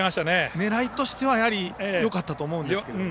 狙いとしてはよかったと思うんですけど。